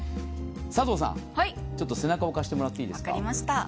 佐藤さん、ちょっと背中を貸してもらっていいですか。